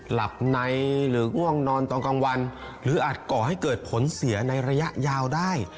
หลับในหรือง่วงนอนตอนกลางวันหรืออาจก่อให้เกิดผลเสียในระยะยาวได้